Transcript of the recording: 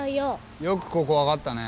よくここ分かったね。